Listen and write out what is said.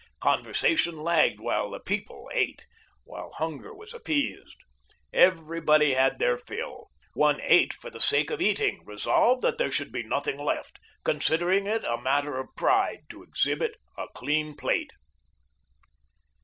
Conversation lagged while the People ate, while hunger was appeased. Everybody had their fill. One ate for the sake of eating, resolved that there should be nothing left, considering it a matter of pride to exhibit a clean plate.